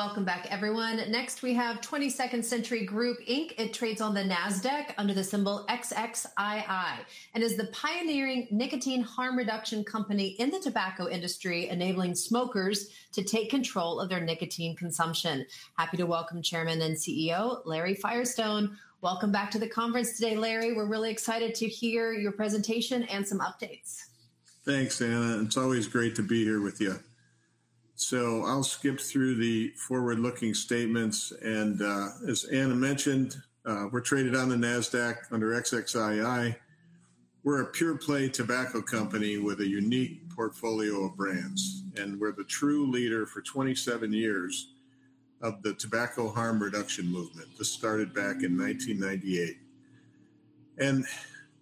Welcome back, everyone. Next, we have 22nd Century Group, Inc. It trades on the NASDAQ under the symbol XXII and is the pioneering nicotine harm reduction company in the tobacco industry, enabling smokers to take control of their nicotine consumption. Happy to welcome Chairman and CEO Larry Firestone. Welcome back to the conference today, Larry. We're really excited to hear your presentation and some updates. Thanks, Anna. It's always great to be here with you. I'll skip through the forward-looking statements. As Anna mentioned, we're traded on the NASDAQ under XXII. We're a pure-play tobacco company with a unique portfolio of brands, and we're the true leader for 27 years of the tobacco harm reduction movement. This started back in 1998.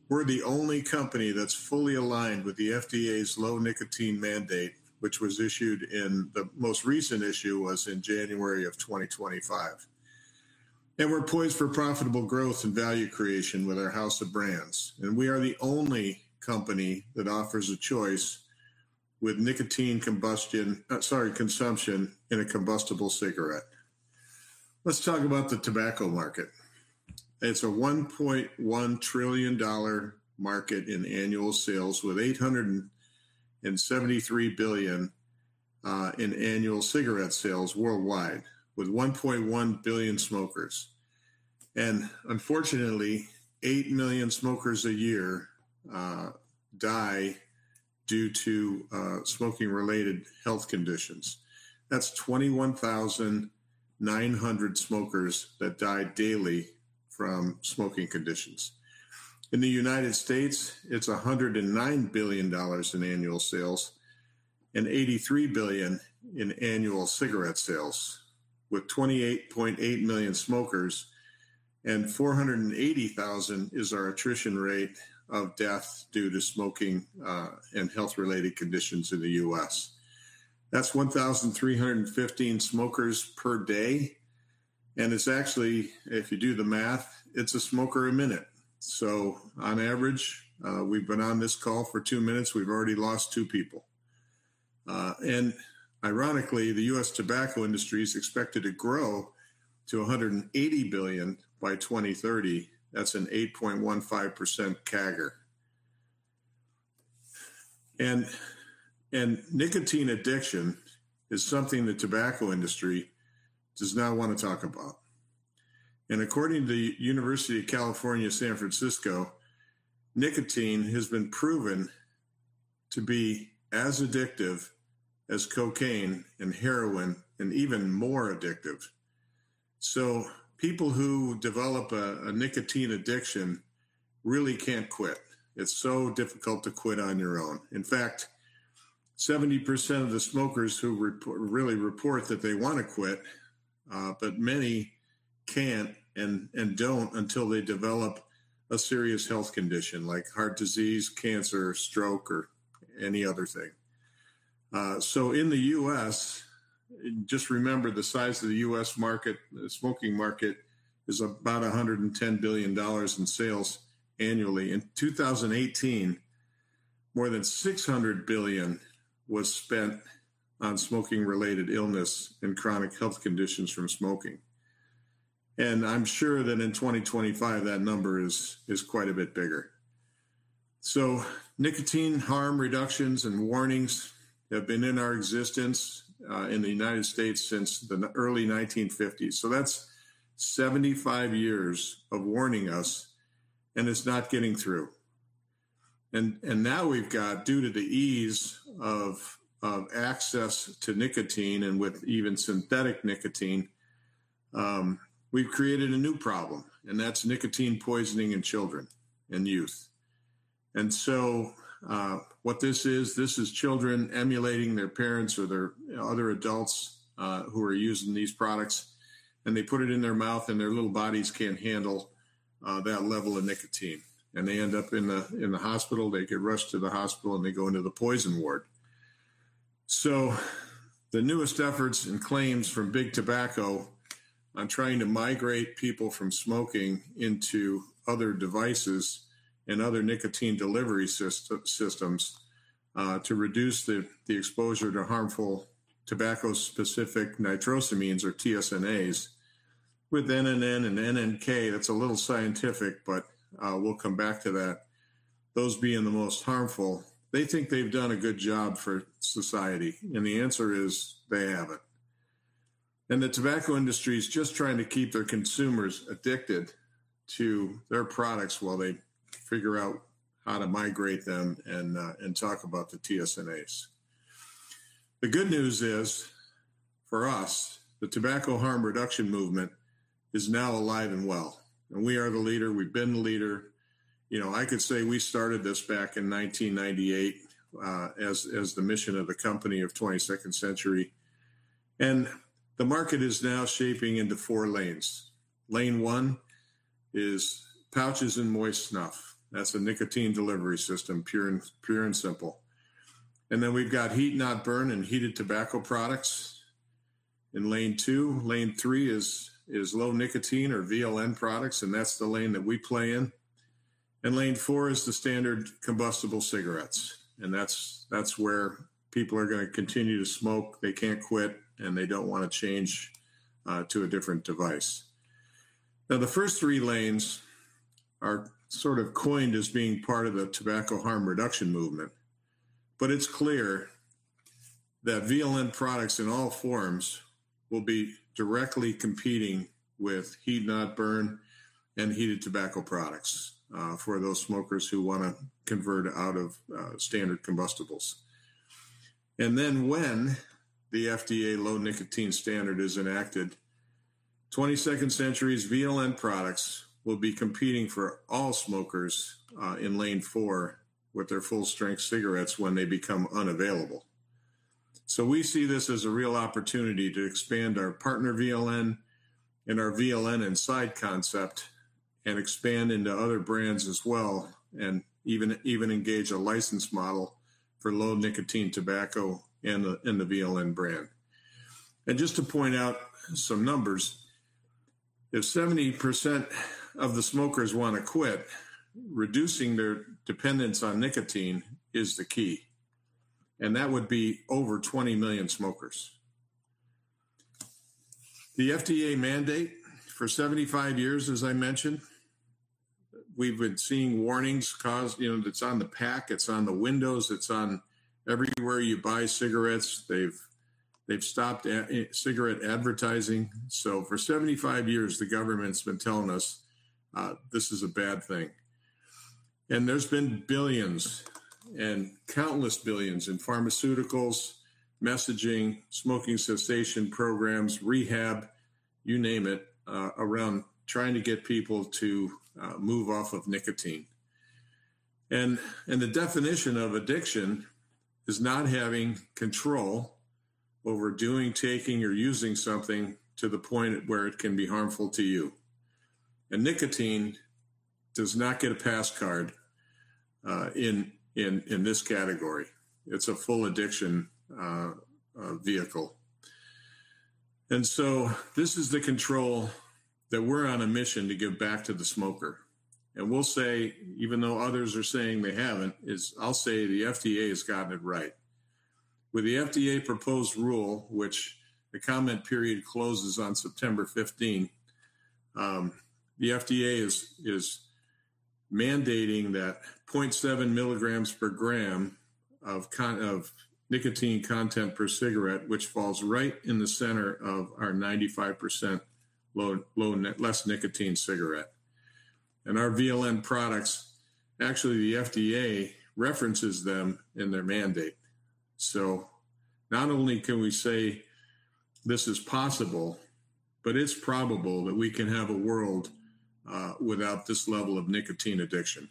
We're the only company that's fully aligned with the FDA's low nicotine mandate, which was issued in the most recent issue in January of 2025. We're poised for profitable growth and value creation with our house of brands. We are the only company that offers a choice with nicotine consumption in a combustible cigarette. Let's talk about the tobacco market. It's a $1.1 trillion market in annual sales with $873 billion in annual cigarette sales worldwide, with 1.1 billion smokers. Unfortunately, 8 million smokers a year die due to smoking-related health conditions. That's 21,900 smokers that die daily from smoking conditions. In the Unites States, it's $109 billion in annual sales and $83 billion in annual cigarette sales, with 28.8 million smokers and 480,000 is our attrition rate of deaths due to smoking and health-related conditions in the U.S. That's 1,315 smokers per day. It's actually, if you do the math, a smoker a minute. On average, we've been on this call for two minutes. We've already lost two people. Ironically, the U.S. tobacco industry is expected to grow to $180 billion by 2030. That's an 8.15% CAGR. Nicotine addiction is something the tobacco industry does not want to talk about. According to the University of California, San Francisco, nicotine has been proven to be as addictive as cocaine and heroin and even more addictive. People who develop a nicotine addiction really can't quit. It's so difficult to quit on your own. In fact, 70% of the smokers really report that they want to quit, but many can't and don't until they develop a serious health condition like heart disease, cancer, stroke, or any other thing. In the U.S., just remember the size of the U.S. market, the smoking market is about $110 billion in sales annually. In 2018, more than $600 billion was spent on smoking-related illness and chronic health conditions from smoking. I'm sure that in 2025, that number is quite a bit bigger. Nicotine harm reductions and warnings have been in our existence in the United States since the early 1950s. That's 75 years of warning us, and it's not getting through. Now we've got, due to the ease of access to nicotine and with even synthetic nicotine, we've created a new problem, and that's nicotine poisoning in children and youth. What this is, this is children emulating their parents or other adults, who are using these products, and they put it in their mouth and their little bodies can't handle that level of nicotine. They end up in the hospital. They get rushed to the hospital and they go into the poison ward. The newest efforts and claims from Big Tobacco are trying to migrate people from smoking into other devices and other nicotine delivery systems, to reduce the exposure to harmful tobacco-specific nitrosamines or TSNAs. With NNN and NNK, that's a little scientific, but we'll come back to that. Those being the most harmful, they think they've done a good job for society. The answer is they haven't. The tobacco industry is just trying to keep their consumers addicted to their products while they figure out how to migrate them and talk about the TSNAs. The good news is, for us, the tobacco harm reduction movement is now alive and well. We are the leader. We've been the leader. I could say we started this back in 1998, as the mission of the company of 22nd Century. The market is now shaping into four lanes. Lane one is pouches and moist snuff. That's a nicotine delivery system, pure and simple. Then we've got heat not burn and heated tobacco products. In lane two, lane three is low nicotine or VLN products, and that's the lane that we play in. Lane four is the standard combustible cigarettes. That's where people are going to continue to smoke. They can't quit, and they don't want to change to a different device. The first three lanes are sort of coined as being part of the tobacco harm reduction movement. It's clear that VLN products in all forms will be directly competing with heat not burn and heated tobacco products, for those smokers who want to convert out of standard combustibles. When the FDA low nicotine standard is enacted, 22nd Century's VLN products will be competing for all smokers in lane four with their full strength cigarettes when they become unavailable. We see this as a real opportunity to expand our partner VLN and our VLN inside concept and expand into other brands as well, and even engage a license model for low nicotine tobacco in the VLN brand. Just to point out some numbers, if 70% of the smokers want to quit, reducing their dependence on nicotine is the key. That would be over 20 million smokers. The FDA mandate for 75 years, as I mentioned, we've been seeing warnings caused, you know, that's on the pack, it's on the windows, it's on everywhere you buy cigarettes. They've stopped cigarette advertising. For 75 years, the government's been telling us this is a bad thing. There have been billions and countless billions in pharmaceuticals, messaging, smoking cessation programs, rehab, you name it, around trying to get people to move off of nicotine. The definition of addiction is not having control over doing, taking, or using something to the point where it can be harmful to you. Nicotine does not get a pass card in this category. It's a full addiction vehicle. This is the control that we're on a mission to give back to the smoker. Even though others are saying they haven't, I'll say the FDA has gotten it right. With the FDA proposed rule, which the comment period closes on September 15th, the FDA is mandating that 0.7 milligrams per gram of nicotine content per cigarette, which falls right in the center of our 95% low less nicotine cigarette. Our VLN products, actually, the FDA references them in their mandate. Not only can we say this is possible, but it's probable that we can have a world without this level of nicotine addiction.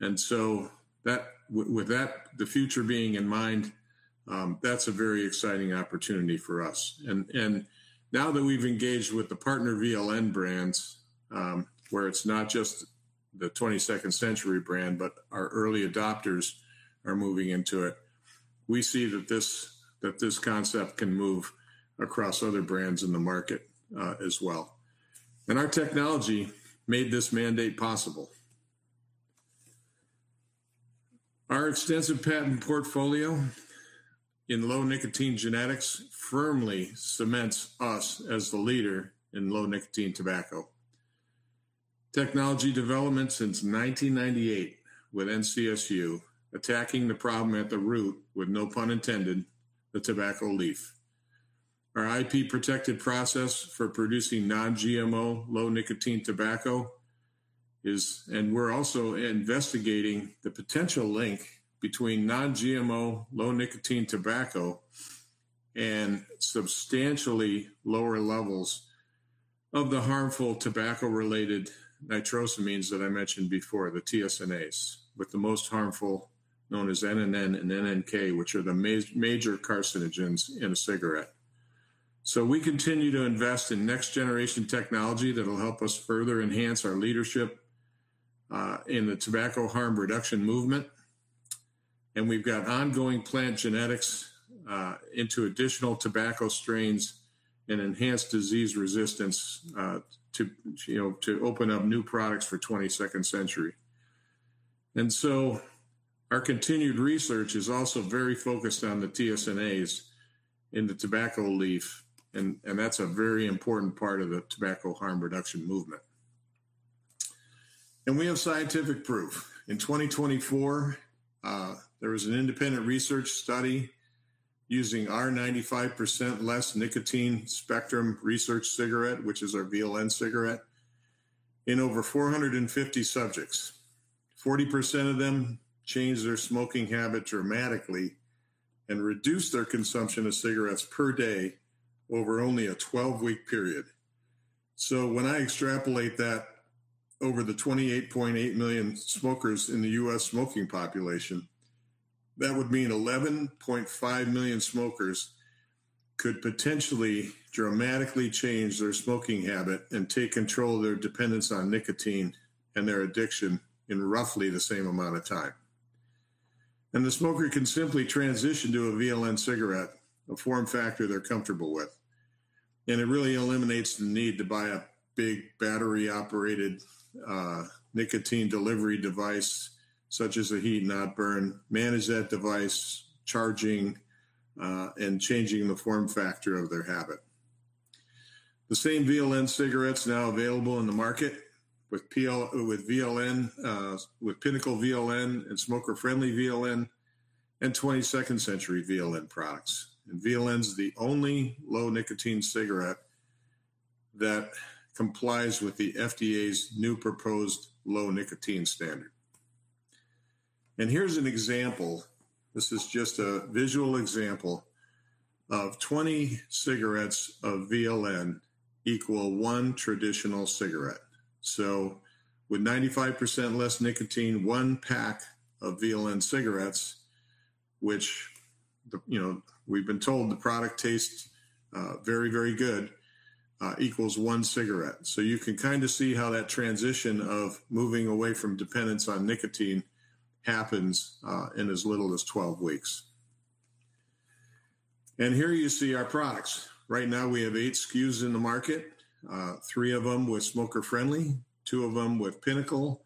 With that, the future being in mind, that's a very exciting opportunity for us. Now that we've engaged with the partner VLN brands, where it's not just the 22nd Century brand, but our early adopters are moving into it, we see that this concept can move across other brands in the market as well. Our technology made this mandate possible. Our extensive patent portfolio in low nicotine genetics firmly cements us as the leader in low nicotine tobacco. Technology development since 1998 with NCSU, attacking the problem at the root, with no pun intended, the tobacco leaf. Our IP-protected process for producing non-GMO, low-nicotine tobacco is, and we're also investigating the potential link between non-GMO, low-nicotine tobacco and substantially lower levels of the harmful tobacco-related nitrosamines that I mentioned before, the TSNAs, with the most harmful known as NNN and NNK, which are the major carcinogens in a cigarette. We continue to invest in next-generation technology that will help us further enhance our leadership in the tobacco harm reduction movement. We've got ongoing plant genetics into additional tobacco strains and enhanced disease resistance to open up new products for 22nd Century. Our continued research is also very focused on the TSNAs in the tobacco leaf, and that's a very important part of the tobacco harm reduction movement. We have scientific proof. In 2024, there was an independent research study using our 95% less nicotine spectrum research cigarette, which is our VLN cigarette, in over 450 subjects. 40% of them changed their smoking habit dramatically and reduced their consumption of cigarettes per day over only a 12-week period. When I extrapolate that over the 28.8 million smokers in the U.S. smoking population, that would mean 11.5 million smokers could potentially dramatically change their smoking habit and take control of their dependence on nicotine and their addiction in roughly the same amount of time. The smoker can simply transition to a VLN cigarette, a form factor they're comfortable with. It really eliminates the need to buy a big battery-operated nicotine delivery device such as a heat-not-burn, manage that device, charging, and changing the form factor of their habit. The same VLN cigarettes are now available in the market with VLN, with Pinnacle VLN, Smoker Friendly VLN, and 22nd Century VLN products. VLN is the only low-nicotine cigarette that complies with the FDA's new proposed low nicotine standard. Here's an example. This is just a visual example of 20 cigarettes of VLN equal one traditional cigarette. With 95% less nicotine, one pack of VLN cigarettes, which, you know, we've been told the product tastes very, very good, equals one cigarette. You can kind of see how that transition of moving away from dependence on nicotine happens in as little as 12 weeks. Here you see our products. Right now, we have eight SKUs in the market, three of them with Smoker Friendly, two of them with Pinnacle,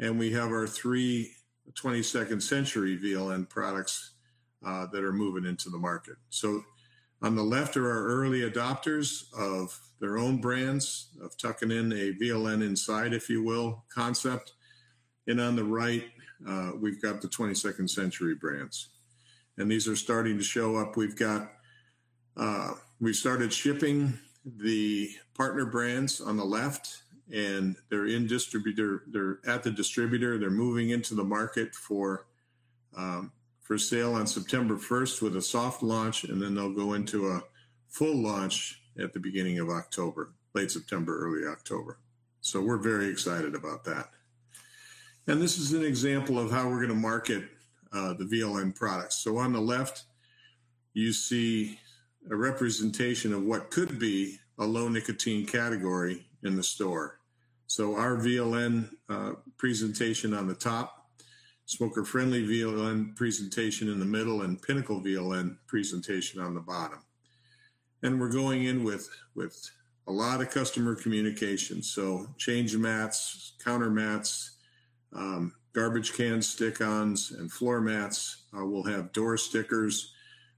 and we have our three 22nd Century VLN products that are moving into the market. On the left are our early adopters of their own brands, of tucking in a VLN inside, if you will, concept. On the right, we've got the 22nd Century brands. These are starting to show up. We started shipping the partner brands on the left, and they're at the distributor, they're moving into the market for sale on September 1st with a soft launch, and then they'll go into a full launch at the beginning of October, late September, early October. We're very excited about that. This is an example of how we're going to market the VLN products. On the left, you see a representation of what could be a low nicotine category in the store. Our VLN presentation on the top, Smoker Friendly VLN presentation in the middle, and Pinnacle VLN presentation on the bottom. We're going in with a lot of customer communication: change mats, counter mats, garbage can stick-ons, and floor mats. We'll have door stickers.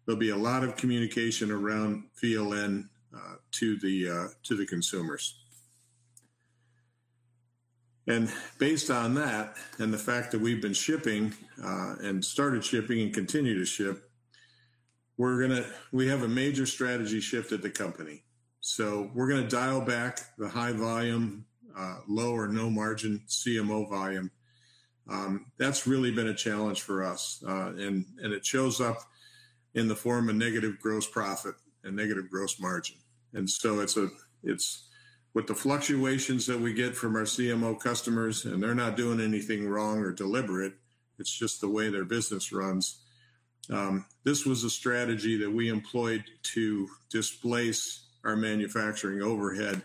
There'll be a lot of communication around VLN to the consumers. Based on that, and the fact that we've been shipping and continue to ship, we have a major strategy shift at the company. We're going to dial back the high volume, low or no margin CMO volume. That's really been a challenge for us, and it shows up in the form of negative gross profit and negative gross margin. With the fluctuations that we get from our CMO customers, and they're not doing anything wrong or deliberate, it's just the way their business runs. This was a strategy that we employed to displace our manufacturing overhead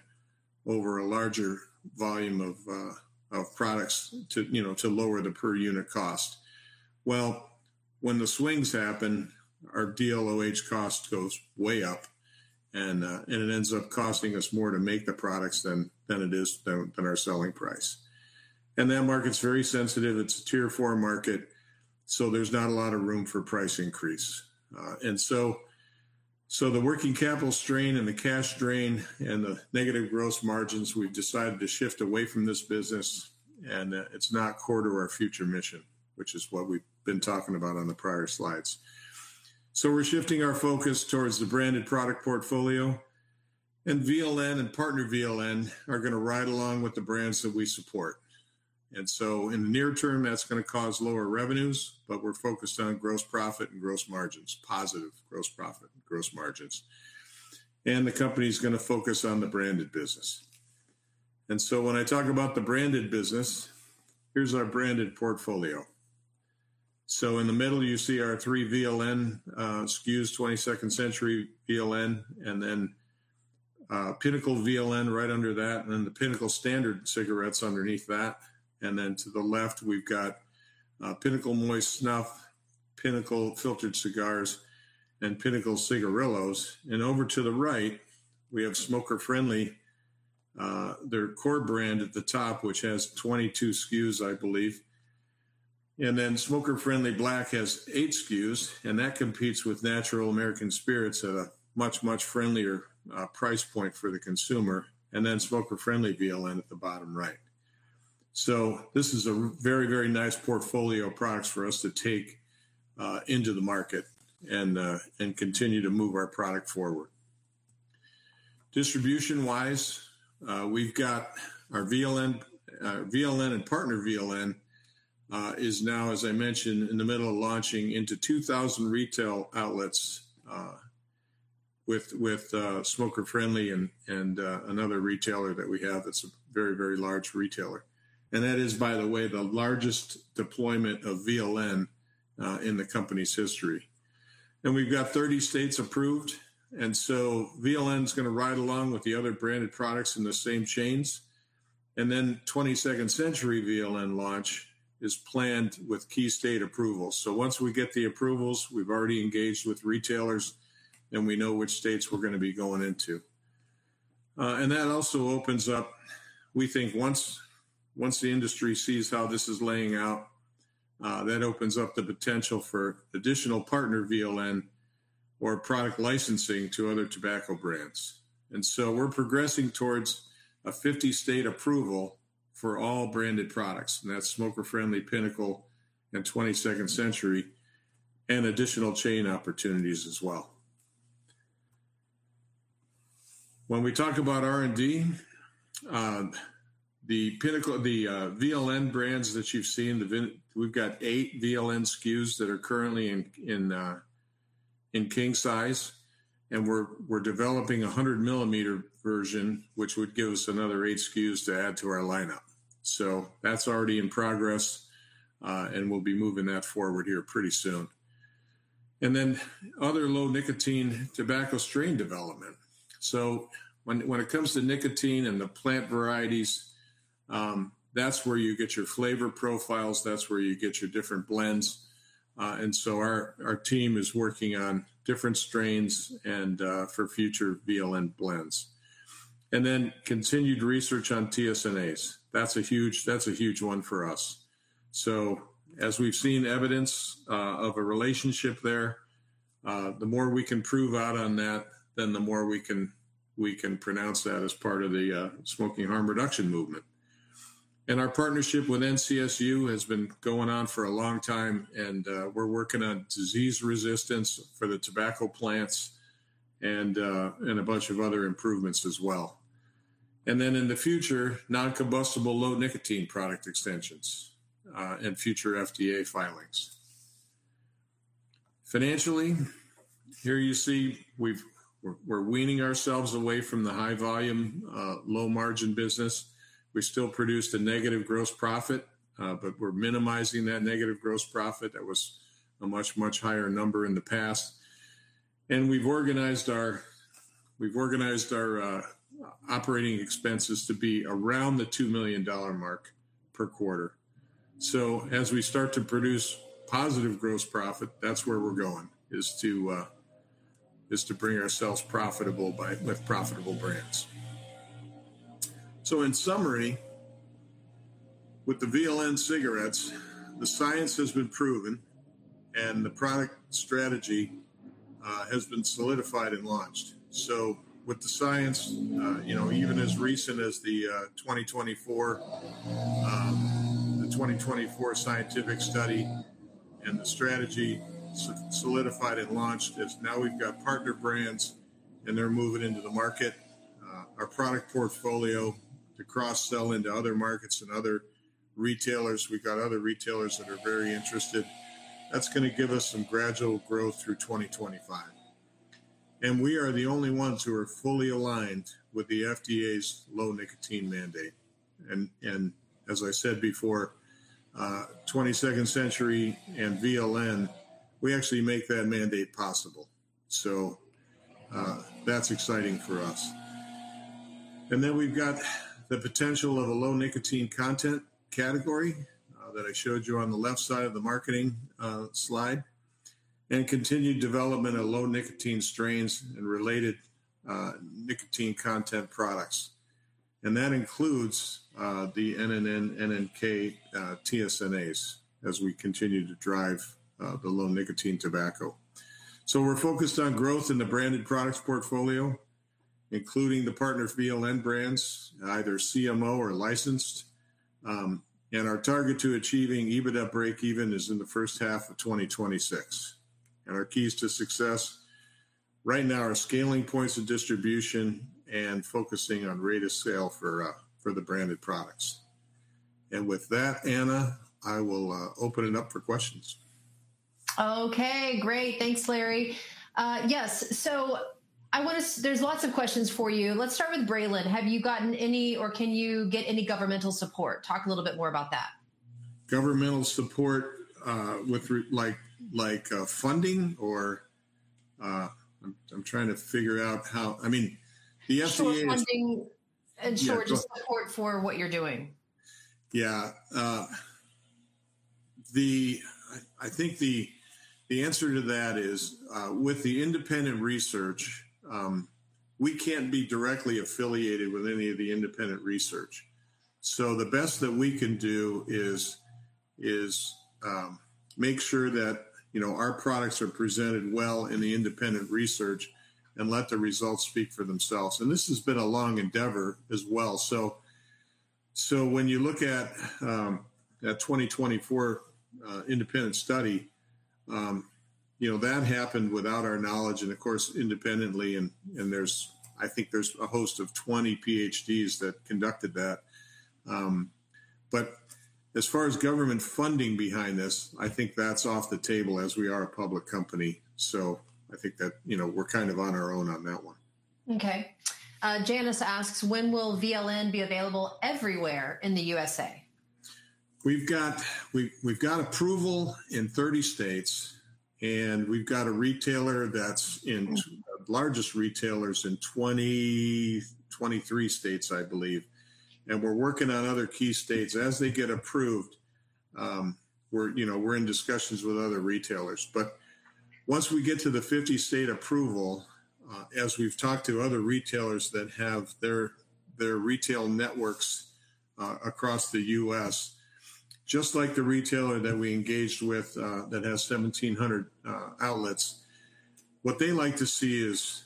over a larger volume of products to lower the per unit cost. When the swings happen, our DLOH cost goes way up, and it ends up costing us more to make the products than it is than our selling price. That market's very sensitive. It's a tier four market. There's not a lot of room for price increase, and the working capital strain and the cash strain and the negative gross margins, we've decided to shift away from this business, and it's not core to our future mission, which is what we've been talking about on the prior slides. We're shifting our focus towards the branded product portfolio, and VLN and partner VLN are going to ride along with the brands that we support. In the near term, that's going to cause lower revenues, but we're focused on gross profit and gross margins, positive gross profit and gross margins. The company is going to focus on the branded business. When I talk about the branded business, here's our branded portfolio. In the middle, you see our three VLN SKUs, 22nd Century VLN, and then Pinnacle VLN right under that, and then the Pinnacle standard cigarettes underneath that. To the left, we've got Pinnacle Moist Snuff, Pinnacle Filtered Cigars, and Pinnacle Cigarillos. Over to the right, we have Smoker Friendly, their core brand at the top, which has 22 SKUs, I believe. Smoker Friendly Black has eight SKUs, and that competes with Natural American Spirits at a much, much friendlier price point for the consumer. Smoker Friendly VLN is at the bottom right. This is a very, very nice portfolio of products for us to take into the market and continue to move our product forward. Distribution-wise, we've got our VLN, and partner VLN is now, as I mentioned, in the middle of launching into 2,000 retail outlets, with Smoker Friendly and another retailer that we have that's a very, very large retailer. That is, by the way, the largest deployment of VLN in the company's history. We've got 30 states approved. VLN is going to ride along with the other branded products in the same chains. The 22nd Century VLN launch is planned with key state approvals. Once we get the approvals, we've already engaged with retailers, and we know which states we're going to be going into. That also opens up, we think, once the industry sees how this is laying out, the potential for additional partner VLN or product licensing to other tobacco brands. We're progressing towards a 50-state approval for all branded products. That's Smoker Friendly, Pinnacle, and 22nd Century, and additional chain opportunities as well. When we talk about R&D, the VLN brands that you've seen, we've got eight VLN SKUs that are currently in king size, and we're developing a 100 millimeter version, which would give us another eight SKUs to add to our lineup. That's already in progress, and we'll be moving that forward here pretty soon. Other low nicotine tobacco strain development is ongoing. When it comes to nicotine and the plant varieties, that's where you get your flavor profiles and your different blends. Our team is working on different strains for future VLN blends. Continued research on TSNAs is a huge one for us. As we've seen evidence of a relationship there, the more we can prove out on that, the more we can pronounce that as part of the smoking harm reduction movement. Our partnership with NCSU has been going on for a long time, and we're working on disease resistance for the tobacco plants and a bunch of other improvements as well. In the future, non-combustible low nicotine product extensions and future FDA filings are planned. Financially, here you see we're weaning ourselves away from the high volume, low margin business. We still produce a negative gross profit, but we're minimizing that negative gross profit. That was a much, much higher number in the past. We've organized our operating expenses to be around the $2 million mark per quarter. As we start to produce positive gross profit, that's where we're going, to bring ourselves profitable with profitable brands. In summary, with the VLN cigarettes, the science has been proven and the product strategy has been solidified and launched. With the science, even as recent as the 2024 scientific study and the strategy solidified and launched, now we've got partner brands and they're moving into the market. Our product portfolio allows us to cross-sell into other markets and other retailers. We've got other retailers that are very interested. That's going to give us some gradual growth through 2025. We are the only ones who are fully aligned with the FDA's low nicotine mandate. As I said before, 22nd Century Group and VLN actually make that mandate possible. That's exciting for us. We've got the potential of a low nicotine content category that I showed you on the left side of the marketing slide and continued development of low nicotine strains and related nicotine content products. That includes the NNN, NNK, TSNAs as we continue to drive the low nicotine tobacco. We're focused on growth in the branded products portfolio, including the partner VLN brands, either CMO or licensed. Our target to achieving EBITDA break-even is in the first half of 2026. Our keys to success right now are scaling points of distribution and focusing on rate of sale for the branded products. With that, Anna, I will open it up for questions. Okay, great. Thanks, Larry. Yes, I want to, there's lots of questions for you. Let's start with Braylyn. Have you gotten any, or can you get any governmental support? Talk a little bit more about that. Governmental support with funding or I'm trying to figure out how, I mean, the FDA. Social funding and shortage of support for what you're doing. Yeah, I think the answer to that is with the independent research, we can't be directly affiliated with any of the independent research. The best that we can do is make sure that, you know, our products are presented well in the independent research and let the results speak for themselves. This has been a long endeavor as well. When you look at that 2024 independent study, you know, that happened without our knowledge and, of course, independently. I think there's a host of 20 PhDs that conducted that. As far as government funding behind this, I think that's off the table as we are a public company. I think that, you know, we're kind of on our own on that one. Okay. Janice asks, when will VLN be available everywhere in the U.S.? We've got approval in 30 states, and we've got a retailer that's in the largest retailers in 23 states, I believe. We're working on other key states as they get approved. We're in discussions with other retailers. Once we get to the 50-state approval, as we've talked to other retailers that have their retail networks across the U.S., just like the retailer that we engaged with that has 1,700 outlets, what they like to see is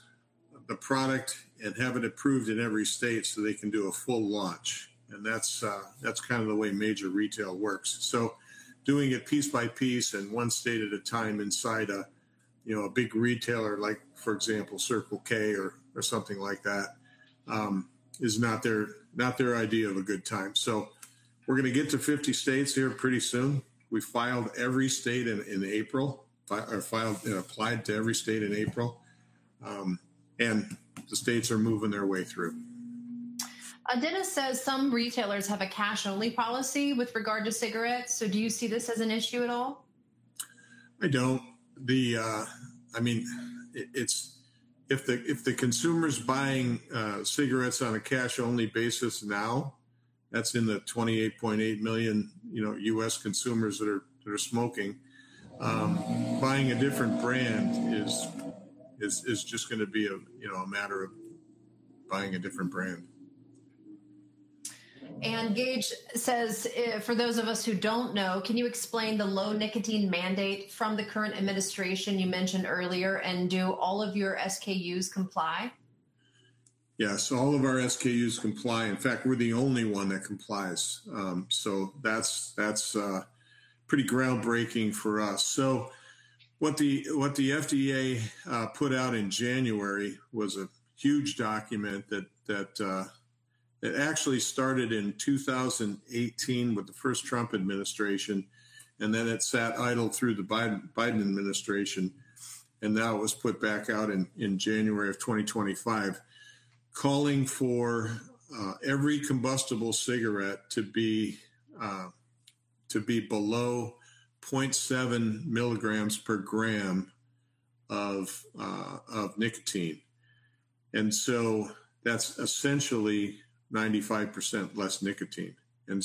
the product and have it approved in every state so they can do a full launch. That's kind of the way major retail works. Doing it piece by piece and one state at a time inside a big retailer, like for example, Circle K or something like that, is not their idea of a good time. We're going to get to 50 states here pretty soon. We filed every state in April, or applied to every state in April. The states are moving their way through. Dennis says some retailers have a cash-only policy with regard to cigarettes. Do you see this as an issue at all? I don't. I mean, if the consumer's buying cigarettes on a cash-only basis now, that's in the $28.8 million U.S. consumers that are smoking, buying a different brand is just going to be a matter of buying a different brand. Gage says, for those of us who don't know, can you explain the low nicotine mandate from the current administration you mentioned earlier, and do all of your SKUs comply? Yes, all of our SKUs comply. In fact, we're the only one that complies. That's pretty groundbreaking for us. What the FDA put out in January was a huge document that actually started in 2018 with the first Trump administration, and then it sat idle through the Biden administration. Now it was put back out in January of 2025, calling for every combustible cigarette to be below 0.7 milligrams per gram of nicotine. That's essentially 95% less nicotine. They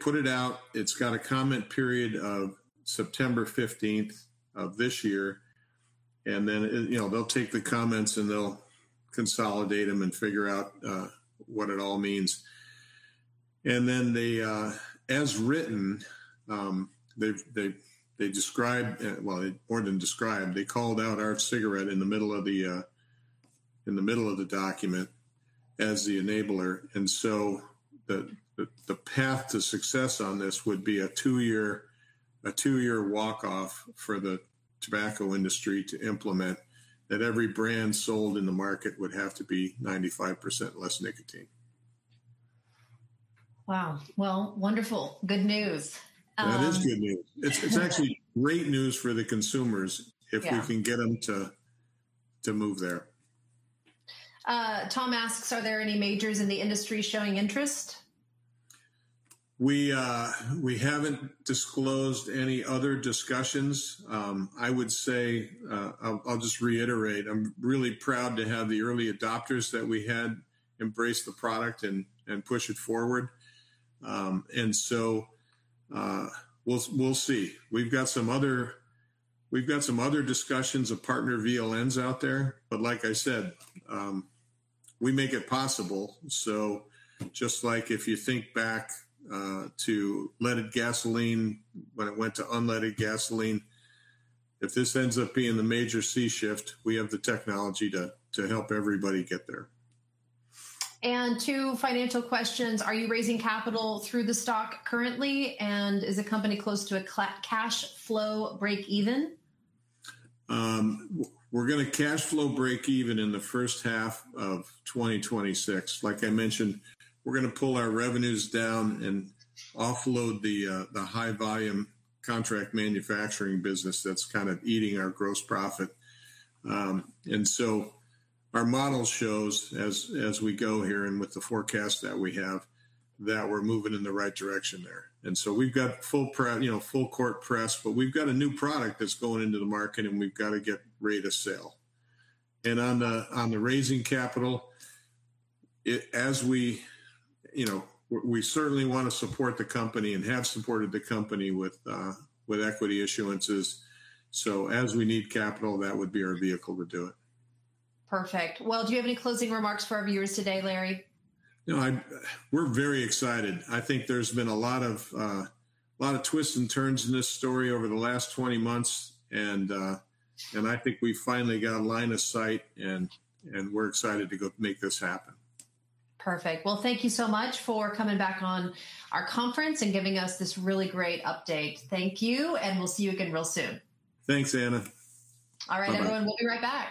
put it out, and it's got a comment period of September 15th of this year. They'll take the comments and they'll consolidate them and figure out what it all means. As written, they described, well, more than described, they called out our cigarette in the middle of the document as the enabler. The path to success on this would be a two-year walk-off for the tobacco industry to implement that every brand sold in the market would have to be 95% less nicotine. Wow. Wonderful. Good news. That is good news. It's actually great news for the consumers if we can get them to move there. Tom asks, are there any majors in the industry showing interest? We haven't disclosed any other discussions. I'll just reiterate, I'm really proud to have the early adopters that we had embrace the product and push it forward. We'll see. We've got some other discussions of partner VLNs out there, but like I said, we make it possible. If you think back to leaded gasoline when it went to unleaded gasoline, if this ends up being the major sea shift, we have the technology to help everybody get there. Two financial questions. Are you raising capital through the stock currently? Is the company close to a cash flow break-even? We're going to cash flow break-even in the first half of 2026. Like I mentioned, we're going to pull our revenues down and offload the high volume contract manufacturing business that's kind of eating our gross profit. Our model shows, as we go here and with the forecast that we have, that we're moving in the right direction there. We've got full court press, but we've got a new product that's going into the market and we've got to get ready to sell. On the raising capital, we certainly want to support the company and have supported the company with equity issuances. As we need capital, that would be our vehicle to do it. Perfect. Do you have any closing remarks for our viewers today, Larry? No, we're very excited. I think there's been a lot of twists and turns in this story over the last 20 months. I think we finally got a line of sight, and we're excited to go make this happen. Thank you so much for coming back on our conference and giving us this really great update. Thank you. We'll see you again real soon. Thanks, Anna. All right, everyone. We'll be right back.